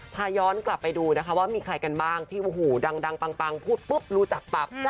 พาย้อนกลับไปดูนะคะว่ามีใครกันบ้างที่โอ้โหดังปังพูดปุ๊บรู้จักปั๊บ